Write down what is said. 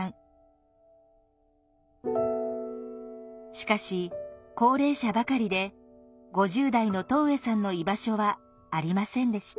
しかし高齢者ばかりで５０代の戸上さんの居場所はありませんでした。